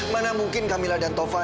mana mungkin kamila dan taufan